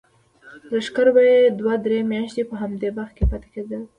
لښکر به یې دوه درې میاشتې په همدې باغ کې پاتې کېده.